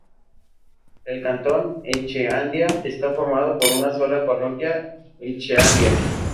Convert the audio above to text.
El cantón Echeandía está formado por una sola parroquia: Echeandía.